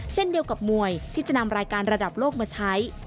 เช่นเดียวกับมวยที่จะนำรายการระดับโลกมาใช้